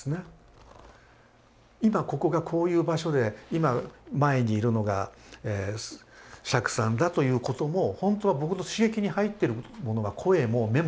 今ここがこういう場所で今前にいるのが釈さんだということもほんとは僕の刺激に入ってるものが声も目もバラバラじゃないですか。